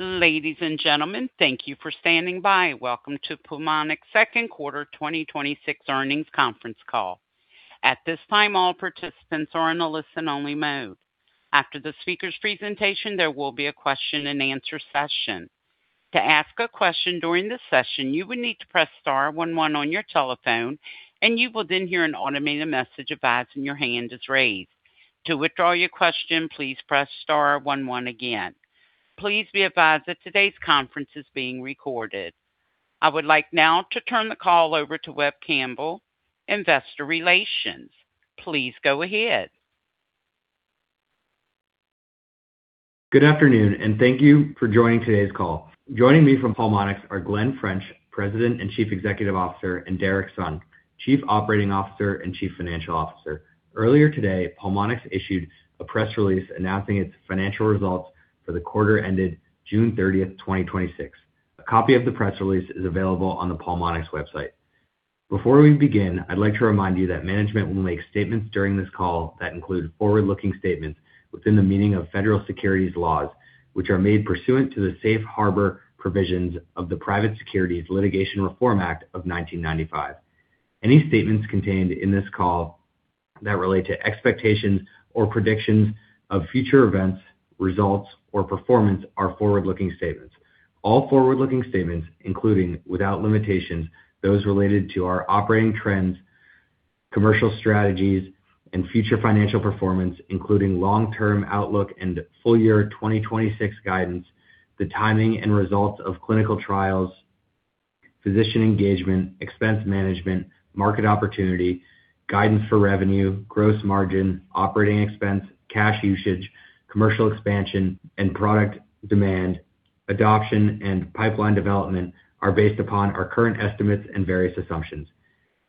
Ladies and gentlemen, thank you for standing by. Welcome to Pulmonx second quarter 2026 earnings conference call. At this time, all participants are in a listen-only mode. After the speaker's presentation, there will be a question-and-answer session. To ask a question during the session, you will need to press star one one on your telephone, and you will then hear an automated message advising your hand is raised. To withdraw your question, please press star one one again. Please be advised that today's conference is being recorded. I would like now to turn the call over to Webb Campbell, investor relations. Please go ahead. Good afternoon, thank you for joining today's call. Joining me from Pulmonx are Glen French, President and Chief Executive Officer, and Derrick Sung, Chief Operating Officer and Chief Financial Officer. Earlier today, Pulmonx issued a press release announcing its financial results for the quarter ended June 30th, 2026. A copy of the press release is available on the Pulmonx website. Before we begin, I'd like to remind you that management will make statements during this call that include forward-looking statements within the meaning of Federal Securities laws, which are made pursuant to the Safe Harbor provisions of the Private Securities Litigation Reform Act of 1995. Any statements contained in this call that relate to expectations or predictions of future events, results, or performance are forward-looking statements. All forward-looking statements, including, without limitations, those related to our operating trends, commercial strategies, and future financial performance, including long-term outlook and full-year 2026 guidance, the timing and results of clinical trials, physician engagement, expense management, market opportunity, guidance for revenue, gross margin, operating expense, cash usage, commercial expansion, and product demand, adoption and pipeline development, are based upon our current estimates and various assumptions.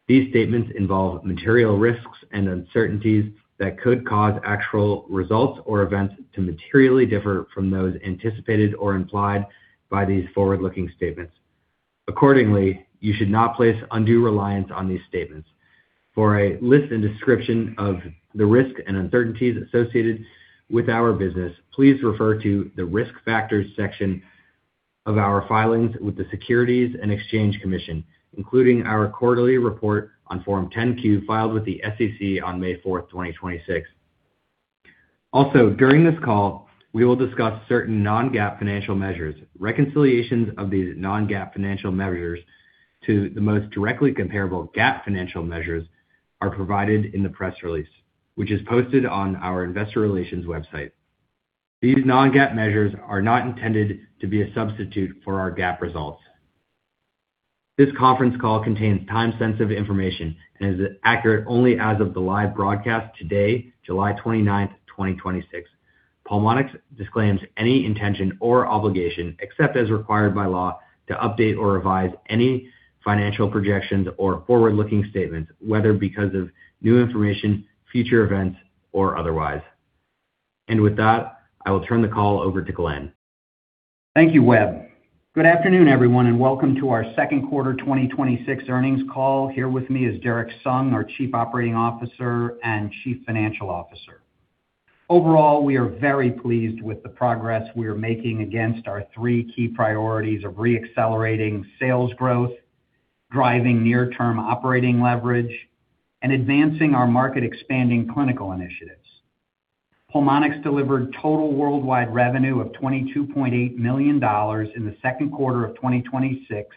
These statements involve material risks and uncertainties that could cause actual results or events to materially differ from those anticipated or implied by these forward-looking statements. Accordingly, you should not place undue reliance on these statements. For a list and description of the risks and uncertainties associated with our business, please refer to the Risk Factors section of our filings with the Securities and Exchange Commission, including our quarterly report on Form 10-Q filed with the SEC on May 4th, 2026. During this call, we will discuss certain non-GAAP financial measures. Reconciliations of these non-GAAP financial measures to the most directly comparable GAAP financial measures are provided in the press release, which is posted on our investor relations website. These non-GAAP measures are not intended to be a substitute for our GAAP results. This conference call contains time-sensitive information and is accurate only as of the live broadcast today, July 29th, 2026. Pulmonx disclaims any intention or obligation, except as required by law, to update or revise any financial projections or forward-looking statements, whether because of new information, future events, or otherwise. With that, I will turn the call over to Glen. Thank you, Webb. Good afternoon, everyone, welcome to our second quarter 2026 earnings call. Here with me is Derrick Sung, our Chief Operating Officer and Chief Financial Officer. Overall, we are very pleased with the progress we are making against our three key priorities of re-accelerating sales growth, driving near-term operating leverage, and advancing our market expanding clinical initiatives. Pulmonx delivered total worldwide revenue of $22.8 million in the second quarter of 2026,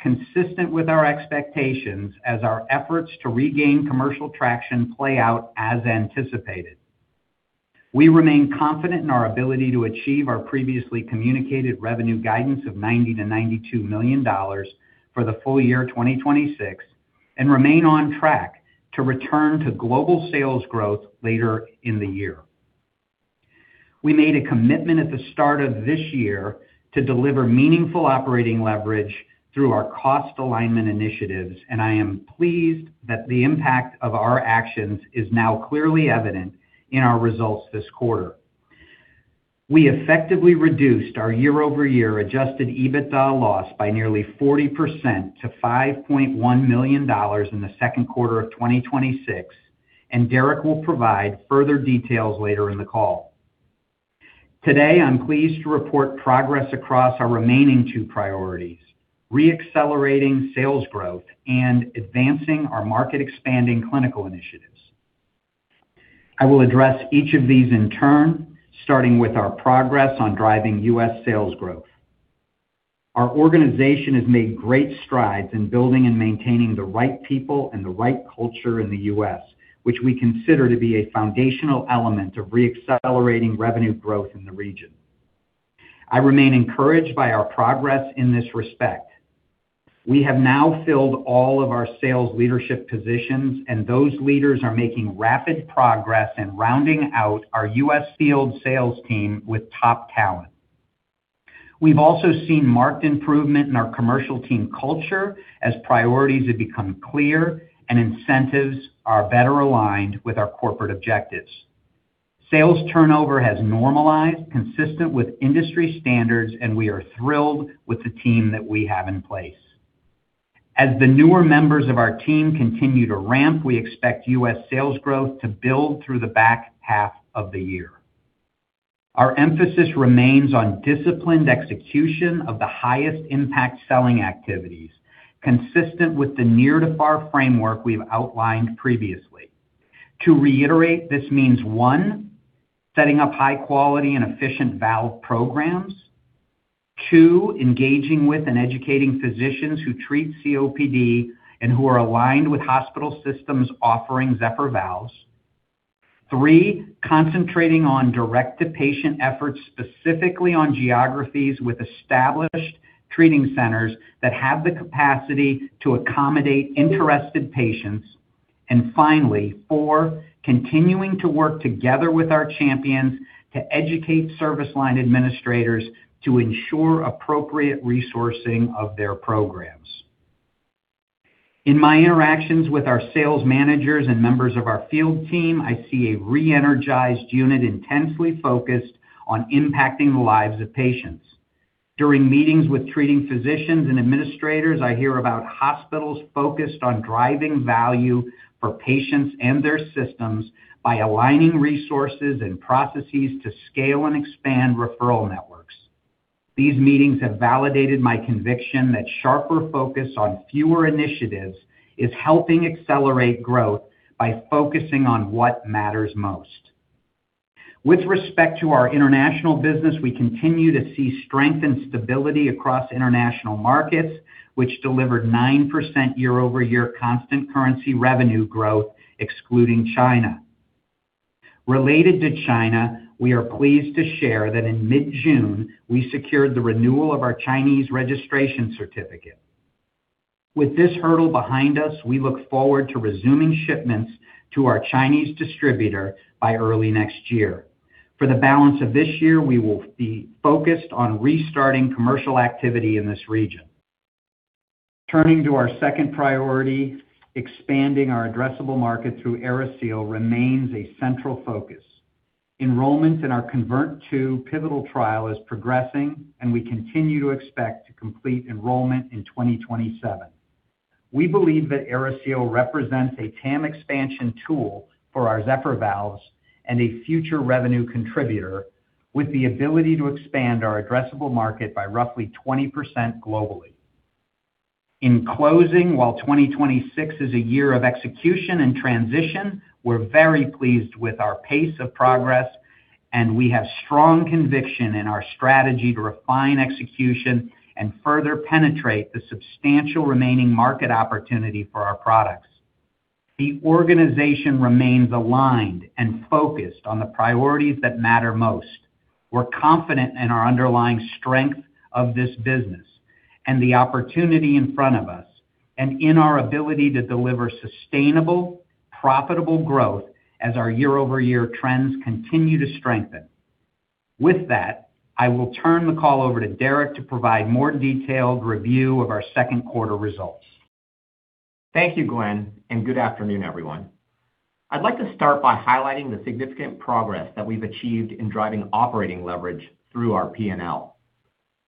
consistent with our expectations as our efforts to regain commercial traction play out as anticipated. We remain confident in our ability to achieve our previously communicated revenue guidance of $90 million-$92 million for the full-year 2026 and remain on track to return to global sales growth later in the year. We made a commitment at the start of this year to deliver meaningful operating leverage through our cost alignment initiatives. I am pleased that the impact of our actions is now clearly evident in our results this quarter. We effectively reduced our year-over-year adjusted EBITDA loss by nearly 40% to $5.1 million in the second quarter of 2026. Derrick will provide further details later in the call. Today, I'm pleased to report progress across our remaining two priorities, re-accelerating sales growth and advancing our market expanding clinical initiatives. I will address each of these in turn, starting with our progress on driving U.S. sales growth. Our organization has made great strides in building and maintaining the right people and the right culture in the U.S., which we consider to be a foundational element of re-accelerating revenue growth in the region. I remain encouraged by our progress in this respect. We have now filled all of our sales leadership positions. Those leaders are making rapid progress in rounding out our U.S. field sales team with top talent. We've also seen marked improvement in our commercial team culture as priorities have become clear and incentives are better aligned with our corporate objectives. Sales turnover has normalized consistent with industry standards. We are thrilled with the team that we have in place. As the newer members of our team continue to ramp, we expect U.S. sales growth to build through the back half of the year. Our emphasis remains on disciplined execution of the highest impact selling activities, consistent with the near-to-far framework we've outlined previously. To reiterate, this means, one, setting up high quality and efficient valve programs. Two, engaging with and educating physicians who treat COPD and who are aligned with hospital systems offering Zephyr valves. Three, concentrating on direct-to-patient efforts, specifically on geographies with established treating centers that have the capacity to accommodate interested patients. Finally, four, continuing to work together with our champions to educate service line administrators to ensure appropriate resourcing of their programs. In my interactions with our sales managers and members of our field team, I see a re-energized unit intensely focused on impacting the lives of patients. During meetings with treating physicians and administrators, I hear about hospitals focused on driving value for patients and their systems by aligning resources and processes to scale and expand referral networks. These meetings have validated my conviction that sharper focus on fewer initiatives is helping accelerate growth by focusing on what matters most. With respect to our international business, we continue to see strength and stability across international markets, which delivered 9% year-over-year constant currency revenue growth excluding China. Related to China, we are pleased to share that in mid-June, we secured the renewal of our Chinese registration certificate. With this hurdle behind us, we look forward to resuming shipments to our Chinese distributor by early next year. For the balance of this year, we will be focused on restarting commercial activity in this region. Turning to our second priority, expanding our addressable market through AeriSeal remains a central focus. Enrollments in our CONVERT II pivotal trial is progressing, and we continue to expect to complete enrollment in 2027. We believe that AeriSeal represents a TAM expansion tool for our Zephyr valves and a future revenue contributor with the ability to expand our addressable market by roughly 20% globally. In closing, while 2026 is a year of execution and transition, we're very pleased with our pace of progress, and we have strong conviction in our strategy to refine execution and further penetrate the substantial remaining market opportunity for our products. The organization remains aligned and focused on the priorities that matter most. We're confident in our underlying strength of this business and the opportunity in front of us, and in our ability to deliver sustainable, profitable growth as our year-over-year trends continue to strengthen. With that, I will turn the call over to Derrick to provide more detailed review of our second quarter results. Thank you, Glen, and good afternoon, everyone. I'd like to start by highlighting the significant progress that we've achieved in driving operating leverage through our P&L.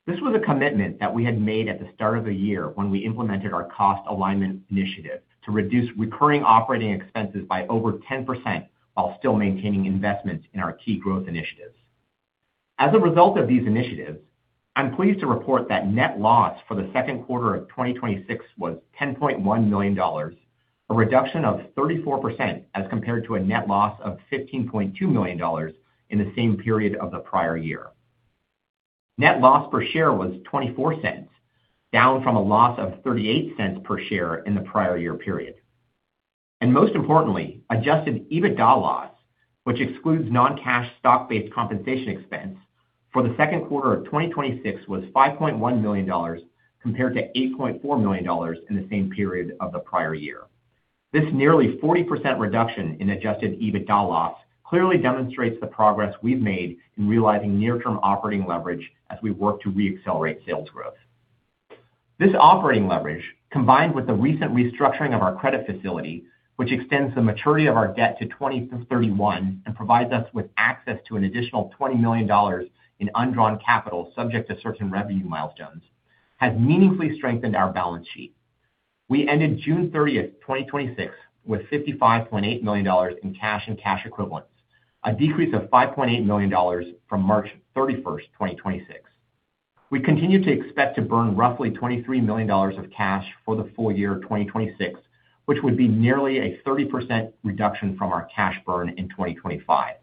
This was a commitment that we had made at the start of the year when we implemented our cost alignment initiative to reduce recurring operating expenses by over 10% while still maintaining investments in our key growth initiatives. As a result of these initiatives, I'm pleased to report that net loss for the second quarter of 2026 was $10.1 million, a reduction of 34% as compared to a net loss of $15.2 million in the same period of the prior year. Net loss per share was $0.24, down from a loss of $0.38 per share in the prior year period. Most importantly, adjusted EBITDA loss, which excludes non-cash stock-based compensation expense, for the second quarter of 2026 was $5.1 million, compared to $8.4 million in the same period of the prior year. This nearly 40% reduction in adjusted EBITDA loss clearly demonstrates the progress we've made in realizing near-term operating leverage as we work to re-accelerate sales growth. This operating leverage, combined with the recent restructuring of our credit facility, which extends the maturity of our debt to 2031 and provides us with access to an additional $20 million in undrawn capital subject to certain revenue milestones, has meaningfully strengthened our balance sheet. We ended June 30th, 2026, with $55.8 million in cash and cash equivalents, a decrease of $5.8 million from March 31st, 2026. We continue to expect to burn roughly $23 million of cash for the full-year 2026, which would be nearly a 30% reduction from our cash burn in 2025.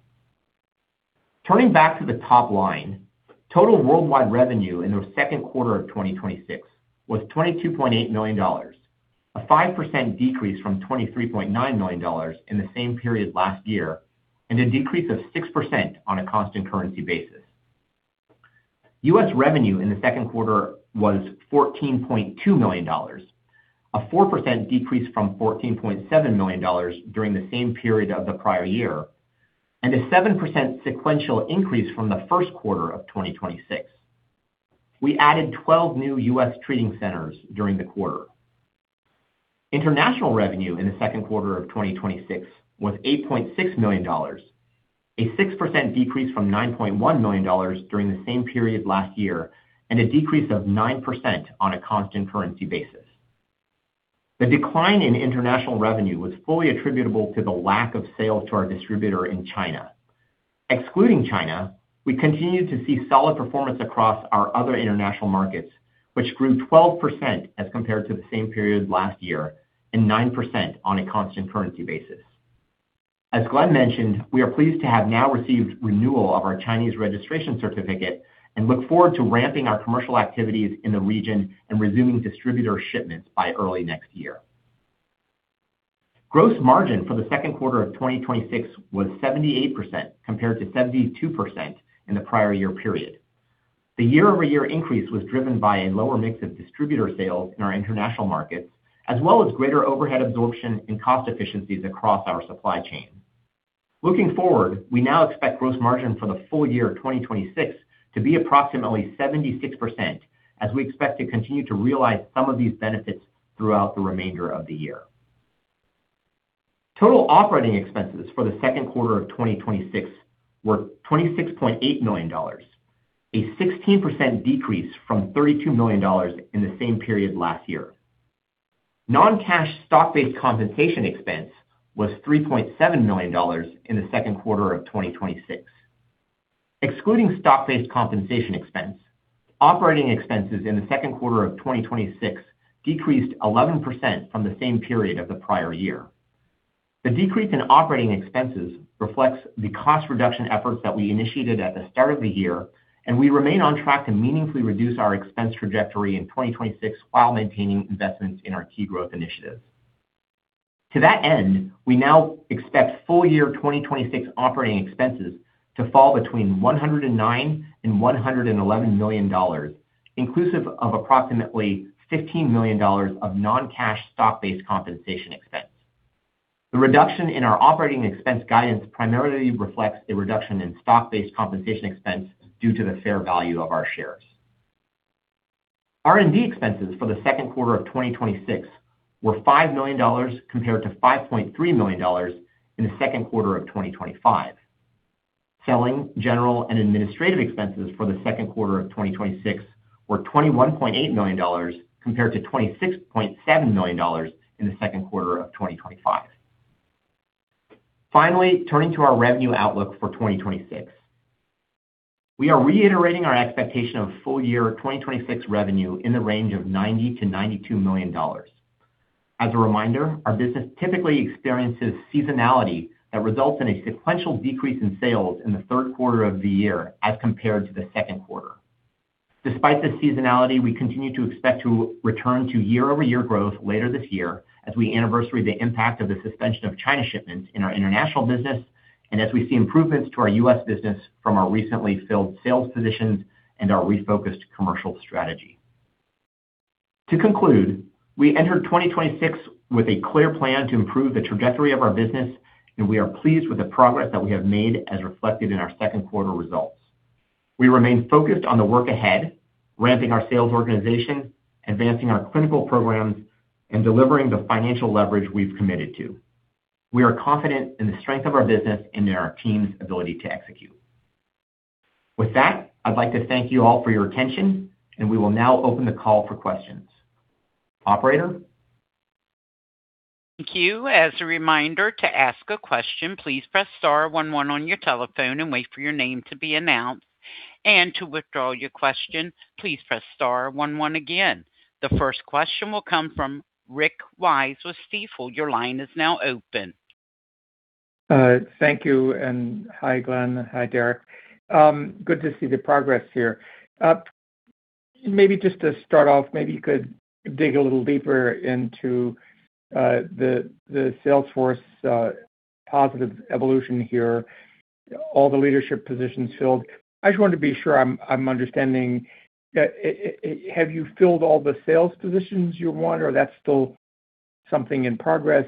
Turning back to the top line, total worldwide revenue in the second quarter of 2026 was $22.8 million, a 5% decrease from $23.9 million in the same period last year, and a decrease of 6% on a constant currency basis. U.S. revenue in the second quarter was $14.2 million, a 4% decrease from $14.7 million during the same period of the prior year, and a 7% sequential increase from the first quarter of 2026. We added 12 new U.S. treating centers during the quarter. International revenue in the second quarter of 2026 was $8.6 million, a 6% decrease from $9.1 million during the same period last year, and a decrease of 9% on a constant currency basis. The decline in international revenue was fully attributable to the lack of sales to our distributor in China. Excluding China, we continued to see solid performance across our other international markets, which grew 12% as compared to the same period last year, and 9% on a constant currency basis. As Glen mentioned, we are pleased to have now received renewal of our Chinese registration certificate and look forward to ramping our commercial activities in the region and resuming distributor shipments by early next year. Gross margin for the second quarter of 2026 was 78%, compared to 72% in the prior year period. The year-over-year increase was driven by a lower mix of distributor sales in our international markets, as well as greater overhead absorption and cost efficiencies across our supply chain. Looking forward, we now expect gross margin for the full-year of 2026 to be approximately 76%, as we expect to continue to realize some of these benefits throughout the remainder of the year. Total operating expenses for the second quarter of 2026 were $26.8 million, a 16% decrease from $32 million in the same period last year. Non-cash stock-based compensation expense was $3.7 million in the second quarter of 2026. Excluding stock-based compensation expense, operating expenses in the second quarter of 2026 decreased 11% from the same period of the prior year. The decrease in operating expenses reflects the cost reduction efforts that we initiated at the start of the year, and we remain on track to meaningfully reduce our expense trajectory in 2026 while maintaining investments in our key growth initiatives. To that end, we now expect full-year 2026 operating expenses to fall between $109 million and $111 million, inclusive of approximately $15 million of non-cash stock-based compensation expense. The reduction in our operating expense guidance primarily reflects a reduction in stock-based compensation expense due to the fair value of our shares. R&D expenses for the second quarter of 2026 were $5 million, compared to $5.3 million in the second quarter of 2025. Selling, general, and administrative expenses for the second quarter of 2026 were $21.8 million, compared to $26.7 million in the second quarter of 2025. Finally, turning to our revenue outlook for 2026. We are reiterating our expectation of full-year 2026 revenue in the range of $90 million-$92 million. As a reminder, our business typically experiences seasonality that results in a sequential decrease in sales in the third quarter of the year as compared to the second quarter. Despite the seasonality, we continue to expect to return to year-over-year growth later this year as we anniversary the impact of the suspension of China shipments in our international business, and as we see improvements to our U.S. business from our recently filled sales positions and our refocused commercial strategy. To conclude, we entered 2026 with a clear plan to improve the trajectory of our business, and we are pleased with the progress that we have made as reflected in our second quarter results. We remain focused on the work ahead, ramping our sales organization, advancing our clinical programs, and delivering the financial leverage we've committed to. We are confident in the strength of our business and in our team's ability to execute. With that, I'd like to thank you all for your attention, and we will now open the call for questions. Operator? Thank you. As a reminder to ask a question, please press star one one on your telephone and wait for your name to be announced. To withdraw your question, please press star one one again. The first question will come from Rick Wise with Stifel. Your line is now open. Thank you, and hi Glen, hi Derrick. Good to see the progress here. Maybe just to start off, maybe you could dig a little deeper into the sales force positive evolution here, all the leadership positions filled. I just wanted to be sure I'm understanding. Have you filled all the sales positions you want, or that's still something in progress?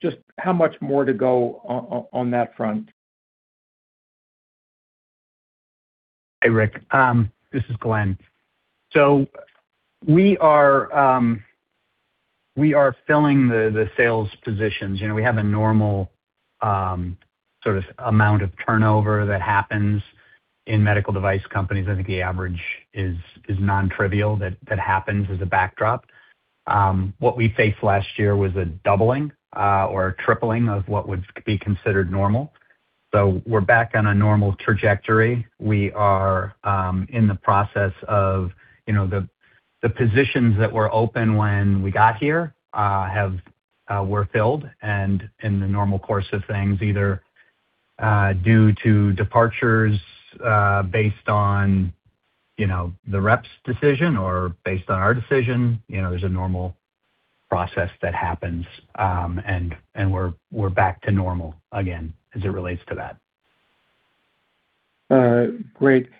Just how much more to go on that front? Hey, Rick. This is Glen. We are filling the sales positions. We have a normal amount of turnover that happens in medical device companies. I think the average is nontrivial that happens as a backdrop. What we faced last year was a doubling or tripling of what would be considered normal. We're back on a normal trajectory. We are in the process of the positions that were open when we got here were filled and in the normal course of things, either due to departures based on the rep's decision or based on our decision. There's a normal process that happens, and we're back to normal again as it relates to that. Great.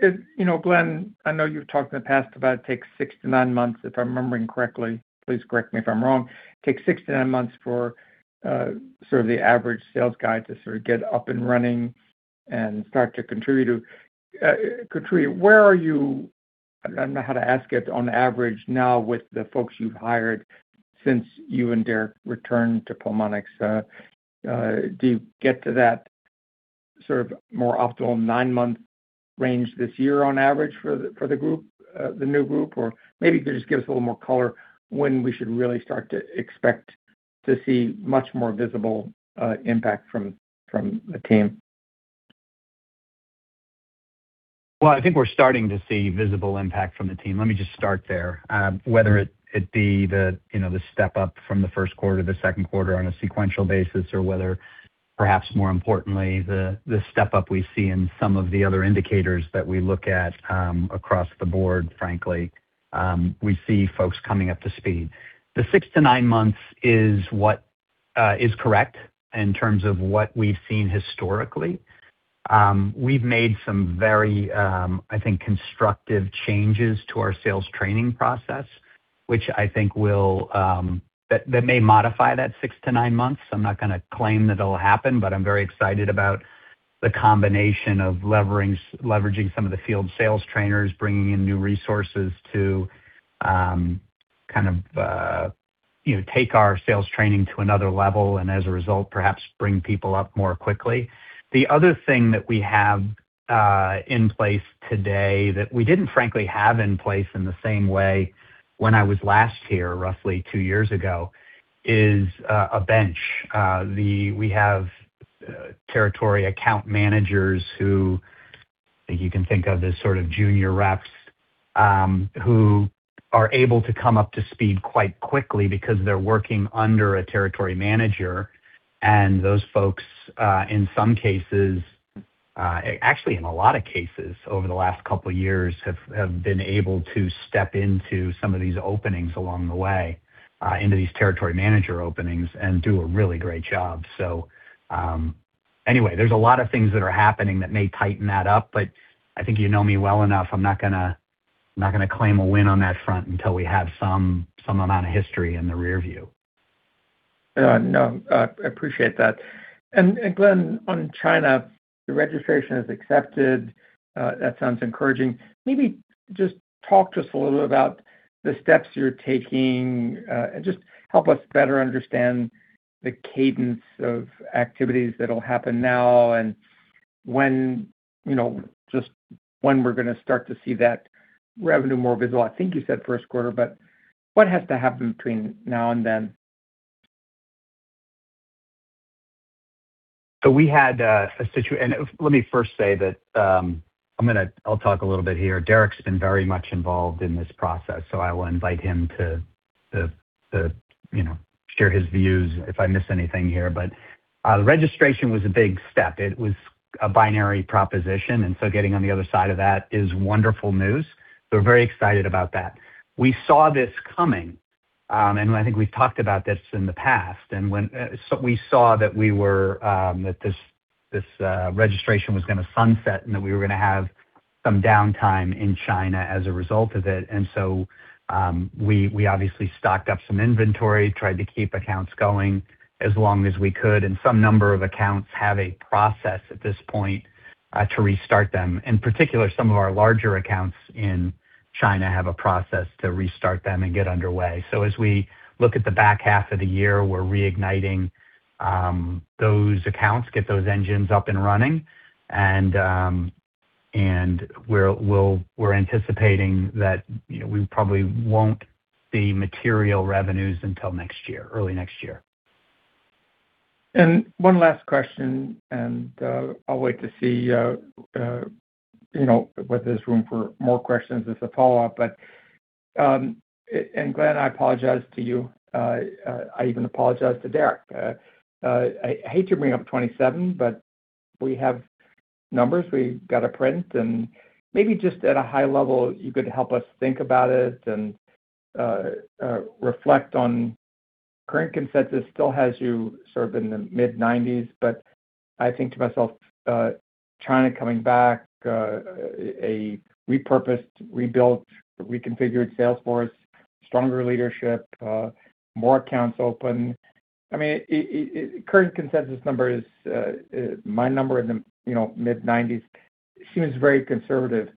Glen, I know you've talked in the past about it takes six to nine months, if I'm remembering correctly. Please correct me if I'm wrong. Takes six to nine months for the average sales guy to get up and running and start to contribute to. I don't know how to ask it, on average now with the folks you've hired since you and Derrick returned to Pulmonx, do you get to that sort of more optimal nine-month range this year on average for the group, the new group? Maybe just give us a little more color when we should really start to expect to see much more visible impact from the team. I think we're starting to see visible impact from the team. Let me just start there. Whether it be the step-up from the first quarter, the second quarter on a sequential basis, or whether, perhaps more importantly, the step-up we see in some of the other indicators that we look at across the board, frankly. We see folks coming up to speed. The six to nine months is what is correct in terms of what we've seen historically. We've made some very, I think, constructive changes to our sales training process, which I think that may modify that six to nine months. I'm not going to claim that it'll happen, but I'm very excited about the combination of leveraging some of the field sales trainers, bringing in new resources to kind of take our sales training to another level, and as a result, perhaps bring people up more quickly. The other thing that we have in place today that we didn't frankly have in place in the same way when I was last here roughly two years ago, is a bench. We have territory account managers who I think you can think of as sort of junior reps who are able to come up to speed quite quickly because they're working under a territory manager, and those folks, in some cases, actually in a lot of cases over the last couple of years, have been able to step into some of these openings along the way, into these territory manager openings and do a really great job. Anyway, there's a lot of things that are happening that may tighten that up, but I think you know me well enough, I'm not going to claim a win on that front until we have some amount of history in the rearview. No. I appreciate that. Glen, on China, the registration is accepted. That sounds encouraging. Maybe just talk to us a little bit about the steps you're taking. Just help us better understand the cadence of activities that'll happen now and just when we're going to start to see that revenue more visible. I think you said first quarter, but what has to happen between now and then? We had a situation. Let me first say that, I'll talk a little bit here. Derrick's been very much involved in this process, so I will invite him to share his views if I miss anything here. Registration was a big step. It was a binary proposition, and so getting on the other side of that is wonderful news. We're very excited about that. We saw this coming. I think we've talked about this in the past. When we saw that this registration was going to sunset and that we were going to have some downtime in China as a result of it. We obviously stocked up some inventory, tried to keep accounts going as long as we could, and some number of accounts have a process at this point to restart them. In particular, some of our larger accounts in China have a process to restart them and get underway. As we look at the back half of the year, we're reigniting those accounts, get those engines up and running, and we're anticipating that we probably won't see material revenues until next year, early next year. One last question, I'll wait to see whether there's room for more questions as a follow-up. Glen, I apologize to you. I even apologize to Derrick. I hate to bring up 2027, but we have numbers, we've got to print, and maybe just at a high level, you could help us think about it and reflect on current consensus still has you sort of in the mid-90s. I think to myself, China coming back, a repurposed, rebuilt, reconfigured sales force, stronger leadership, more accounts open. I mean, current consensus number is my number in the mid-90s seems very conservative.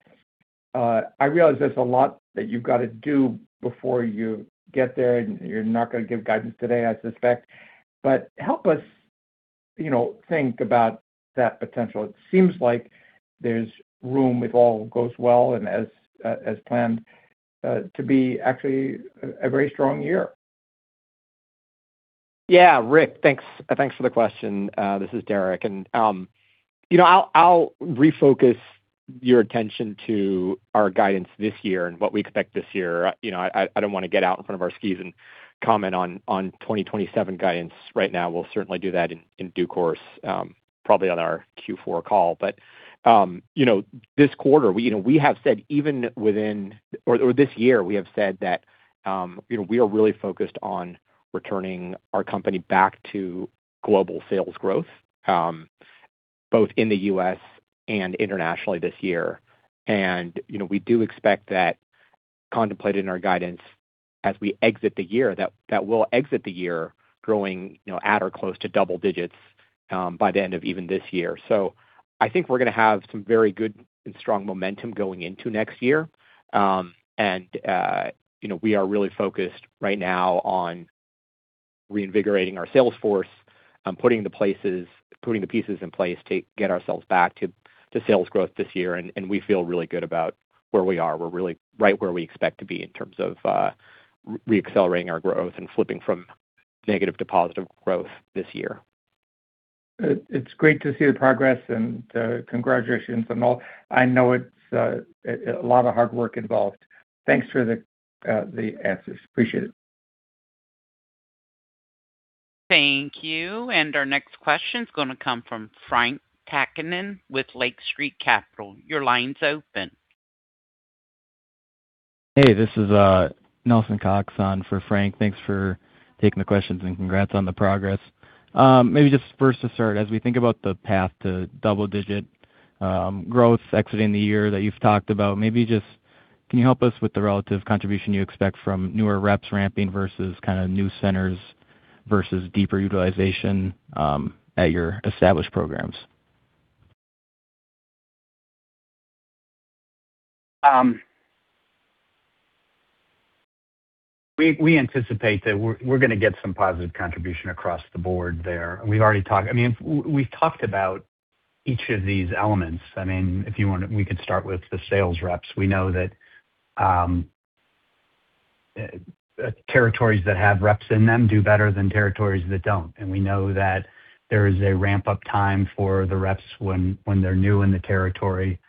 I realize there's a lot that you've got to do before you get there, and you're not going to give guidance today, I suspect, help us think about that potential. It seems like there's room, if all goes well and as planned, to be actually a very strong year. Rick, thanks for the question. This is Derrick. I'll refocus your attention to our guidance this year and what we expect this year. I don't want to get out in front of our skis and comment on 2027 guidance right now. We'll certainly do that in due course, probably on our Q4 call. This quarter, or this year, we have said that we are really focused on returning our company back to global sales growth, both in the U.S. and internationally this year. We do expect that contemplated in our guidance. As we exit the year, that we'll exit the year growing at or close to double digits by the end of even this year. I think we're going to have some very good and strong momentum going into next year. We are really focused right now on reinvigorating our sales force, putting the pieces in place to get ourselves back to sales growth this year. We feel really good about where we are. We're really right where we expect to be in terms of re-accelerating our growth and flipping from negative to positive growth this year. It's great to see the progress and congratulations on all. I know it's a lot of hard work involved. Thanks for the answers, appreciate it. Thank you. Our next question is going to come from Frank Takkinen with Lake Street Capital. Your line's open. Hey, this is Nelson Cox on for Frank. Thanks for taking the questions and congrats on the progress. Maybe just first to start, as we think about the path to double-digit growth exiting the year that you've talked about, maybe just can you help us with the relative contribution you expect from newer reps ramping versus new centers versus deeper utilization at your established programs? We anticipate that we're going to get some positive contribution across the board there. We've talked about each of these elements. If you want to, we could start with the sales reps. We know that territories that have reps in them do better than territories that don't. We know that there is a ramp-up time for the reps when they're new in the territory.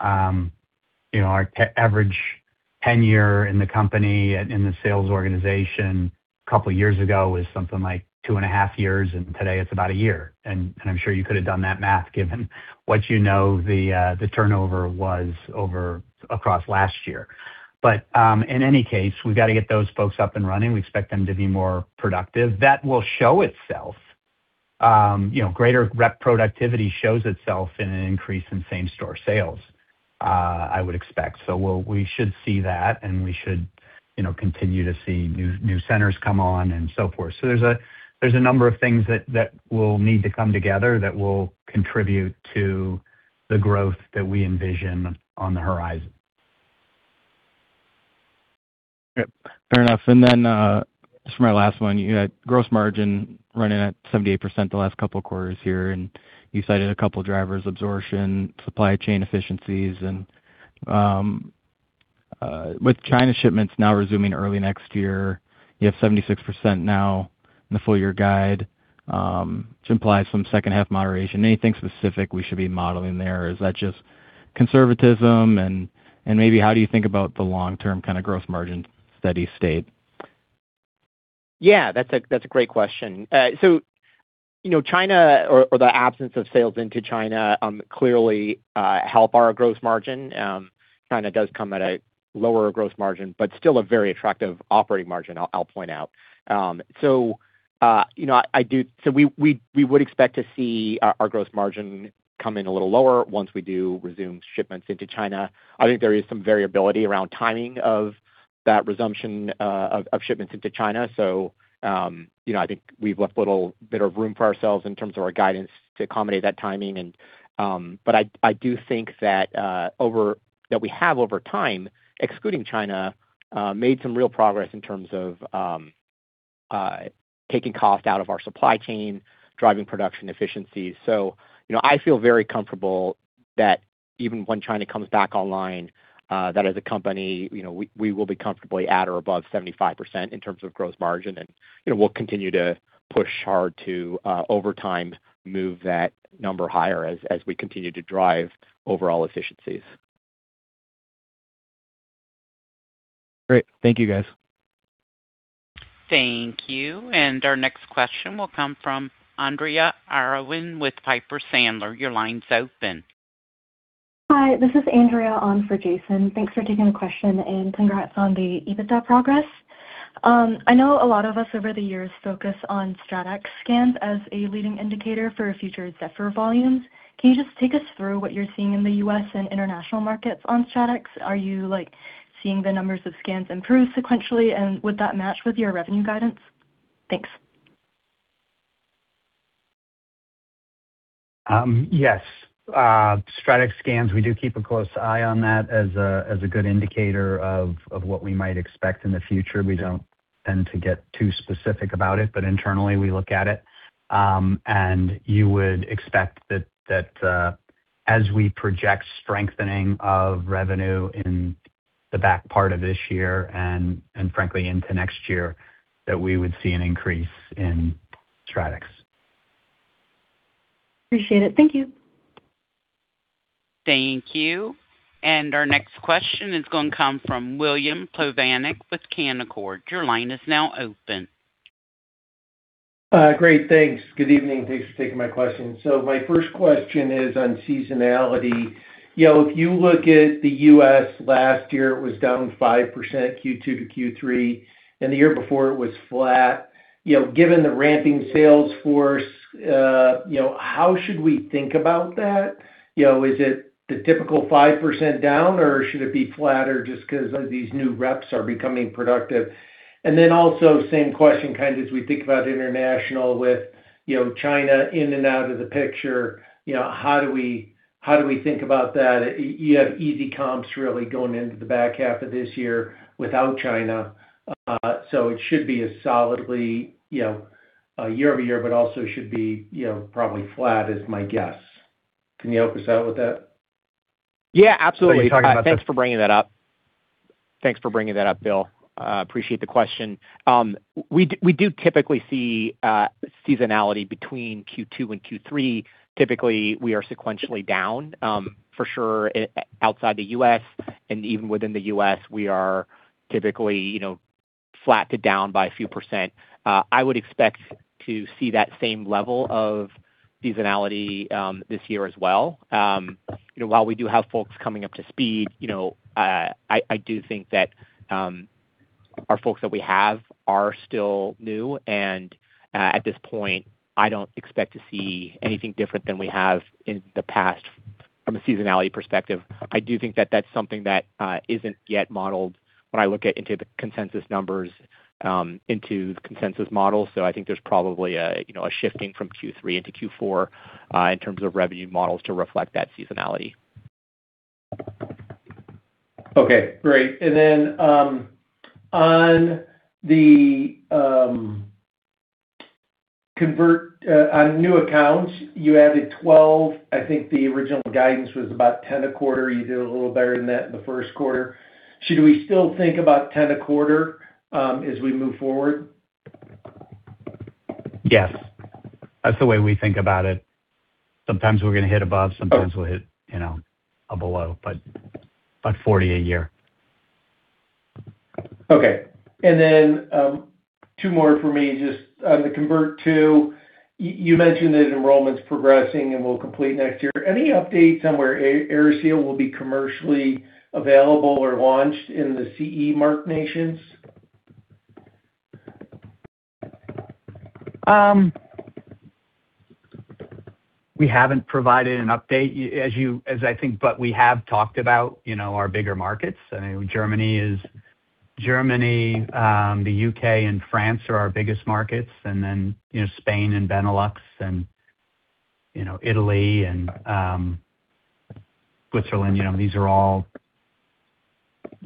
Our average tenure in the company and in the sales organization a couple of years ago was something like two and a half years, and today it's about a year. I'm sure you could have done that math given what you know the turnover was over across last year. In any case, we've got to get those folks up and running. We expect them to be more productive. That will show itself. Greater rep productivity shows itself in an increase in same-store sales, I would expect. We should see that, and we should continue to see new centers come on and so forth. There's a number of things that will need to come together that will contribute to the growth that we envision on the horizon. Yep, fair enough. Just for my last one, gross margin running at 78% the last couple of quarters here, and you cited a couple of drivers, absorption, supply chain efficiencies. With China shipments now resuming early next year, you have 76% now in the full-year guide, which implies some second half moderation. Anything specific we should be modeling there? Is that just conservatism? Maybe how do you think about the long-term kind of gross margin steady state? Yeah, that's a great question. China or the absence of sales into China clearly help our gross margin. China does come at a lower gross margin, but still a very attractive operating margin, I'll point out. We would expect to see our gross margin come in a little lower once we do resume shipments into China. I think there is some variability around timing of that resumption of shipments into China. I think we've left a little bit of room for ourselves in terms of our guidance to accommodate that timing. I do think that we have, over time, excluding China, made some real progress in terms of taking cost out of our supply chain, driving production efficiencies. I feel very comfortable that even when China comes back online, that as a company, we will be comfortably at or above 75% in terms of gross margin. We'll continue to push hard to, over time, move that number higher as we continue to drive overall efficiencies. Great. Thank you, guys. Thank you. Our next question will come from Andrea Irawan with Piper Sandler. Your line's open. Hi, this is Andrea on for Jason. Thanks for taking the question and congrats on the EBITDA progress. I know a lot of us over the years focus on StratX scans as a leading indicator for future Zephyr volumes. Can you just take us through what you're seeing in the U.S. and international markets on StratX? Are you seeing the numbers of scans improve sequentially, and would that match with your revenue guidance? Thanks. Yes. StratX scans, we do keep a close eye on that as a good indicator of what we might expect in the future. We don't tend to get too specific about it, but internally we look at it. You would expect that as we project strengthening of revenue in the back part of this year and frankly, into next year, that we would see an increase in StratX. Appreciate it. Thank you. Thank you. Our next question is going to come from William Plovanic with Canaccord. Your line is now open. Good evening, and thanks for taking my question. My first question is on seasonality. If you look at the U.S. last year, it was down 5% Q2 to Q3, and the year before it was flat. Given the ramping sales force, how should we think about that? Is it the typical 5% down, or should it be flatter just because these new reps are becoming productive? Also, same question, as we think about international with China in and out of the picture, how do we think about that? You have easy comps really going into the back half of this year without China. It should be as solidly year-over-year, but also should be probably flat is my guess. Can you help us out with that? Yeah, absolutely. Thanks for bringing that up, Bill. Appreciate the question. We do typically see seasonality between Q2 and Q3. Typically, we are sequentially down. For sure, outside the U.S. and even within the U.S., we are typically flat to down by a few percent. I would expect to see that same level of seasonality this year as well. While we do have folks coming up to speed, I do think that our folks that we have are still new, and, at this point, I don't expect to see anything different than we have in the past from a seasonality perspective. I do think that that's something that isn't yet modeled when I look into the consensus numbers, into the consensus models. I think there's probably a shifting from Q3 into Q4 in terms of revenue models to reflect that seasonality. Okay, great. On the CONVERT on new accounts, you added 12. I think the original guidance was about 10 a quarter. You did a little better than that in the first quarter. Should we still think about 10 a quarter as we move forward? Yes. That's the way we think about it. Sometimes we're going to hit above, sometimes we'll hit below, but about 40 a year. Okay. Two more for me, just on the CONVERT II, you mentioned that enrollment's progressing and will complete next year. Any update on where AeriSeal will be commercially available or launched in the CE mark nations? We haven't provided an update, as I think, but we have talked about our bigger markets. Germany, the U.K., and France are our biggest markets. Spain and Benelux and Italy and Switzerland. These are all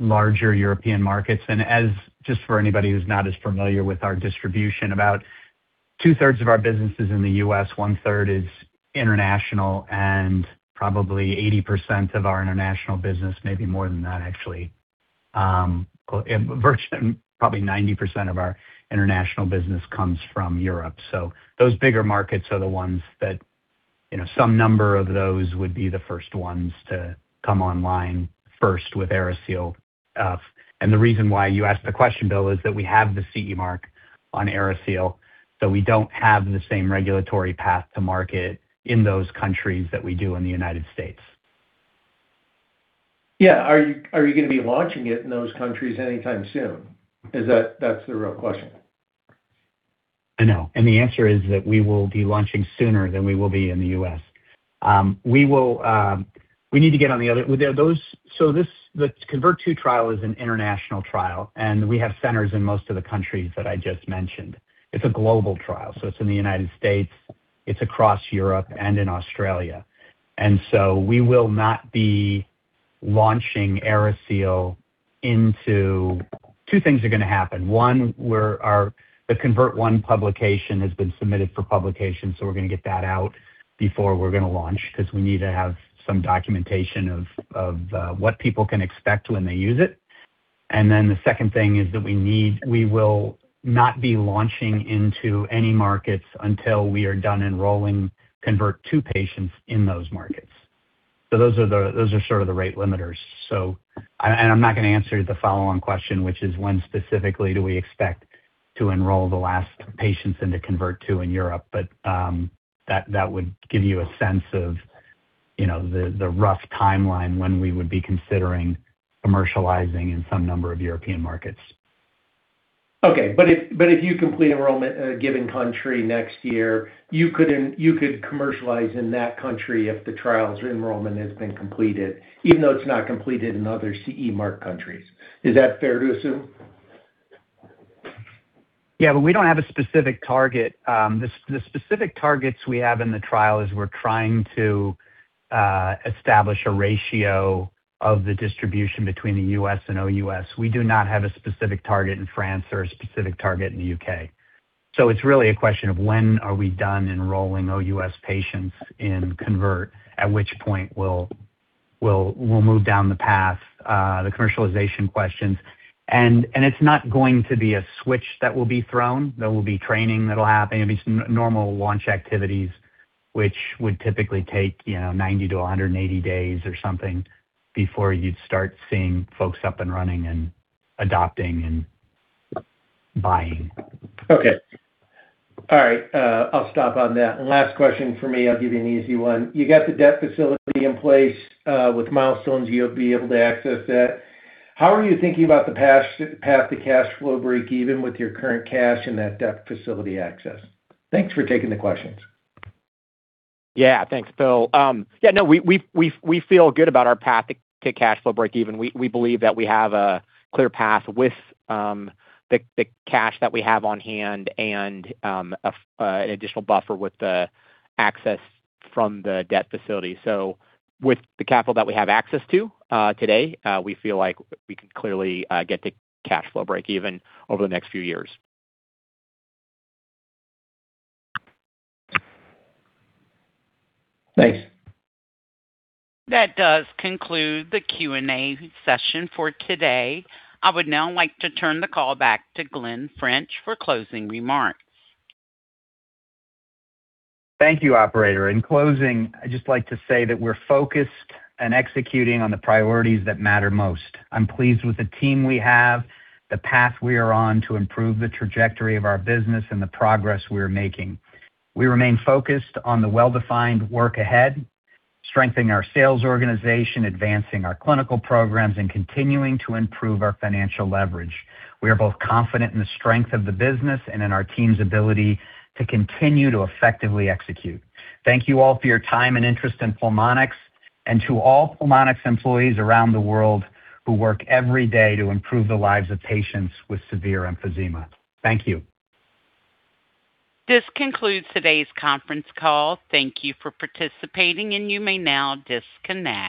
larger European markets. Just for anybody who's not as familiar with our distribution, about 2/3 of our business is in the U.S., one-third is international, and probably 80% of our international business, maybe more than that actually, probably 90% of our international business comes from Europe. Those bigger markets are the ones that some number of those would be the first ones to come online first with AeriSeal. The reason why you asked the question, Bill, is that we have the CE mark on AeriSeal, so we don't have the same regulatory path to market in those countries that we do in the United States. Yeah. Are you going to be launching it in those countries anytime soon? That's the real question. I know. The answer is that we will be launching sooner than we will be in the U.S. The CONVERT II trial is an international trial, and we have centers in most of the countries that I just mentioned. It's a global trial, so it's in the United States, it's across Europe and in Australia. We will not be launching AeriSeal. Two things are going to happen. One, the CONVERT I publication has been submitted for publication, so we're going to get that out before we're going to launch because we need to have some documentation of what people can expect when they use it. The second thing is that we will not be launching into any markets until we are done enrolling CONVERT II patients in those markets. Those are sort of the rate limiters. I'm not going to answer the follow-on question, which is when specifically do we expect to enroll the last patients into CONVERT II in Europe? That would give you a sense of the rough timeline when we would be considering commercializing in some number of European markets. If you complete enrollment in a given country next year, you could commercialize in that country if the trial's enrollment has been completed, even though it's not completed in other CE mark countries. Is that fair to assume? We don't have a specific target. The specific targets we have in the trial is we're trying to establish a ratio of the distribution between the U.S. and OUS. We do not have a specific target in France or a specific target in the U.K. It's really a question of when are we done enrolling OUS patients in CONVERT, at which point we'll move down the path, the commercialization questions. It's not going to be a switch that will be thrown. There will be training that'll happen. It'll be some normal launch activities, which would typically take 90-180 days or something before you'd start seeing folks up and running and adopting and buying. I'll stop on that. Last question for me, I'll give you an easy one. You got the debt facility in place. With milestones, you'll be able to access that. How are you thinking about the path to cash flow breakeven with your current cash and that debt facility access? Thanks for taking the questions. Thanks, Bill. We feel good about our path to cash flow breakeven. We believe that we have a clear path with the cash that we have on hand and an additional buffer with the access from the debt facility. With the capital that we have access to today, we feel like we can clearly get to cash flow breakeven over the next few years. Thanks. That does conclude the Q&A session for today. I would now like to turn the call back to Glen French for closing remarks. Thank you, operator. In closing, I'd just like to say that we're focused and executing on the priorities that matter most. I'm pleased with the team we have, the path we are on to improve the trajectory of our business, and the progress we are making. We remain focused on the well-defined work ahead, strengthening our sales organization, advancing our clinical programs, and continuing to improve our financial leverage. We are both confident in the strength of the business and in our team's ability to continue to effectively execute. Thank you all for your time and interest in Pulmonx, and to all Pulmonx employees around the world who work every day to improve the lives of patients with severe emphysema. Thank you. This concludes today's conference call. Thank you for participating, and you may now disconnect.